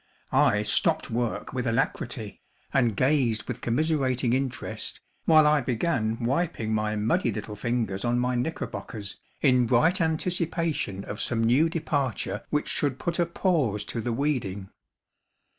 I stopped work with alacrity, and gazed with commiserating interest, while I began wiping my muddy little fingers on my knickerbockers in bright anticipation of some new departure which should put a pause to the weeding.